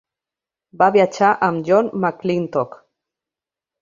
Va viatjar amb John McClintock.